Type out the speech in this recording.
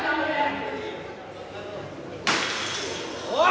おい！